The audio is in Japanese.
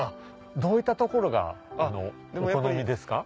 どういったところがお好みですか？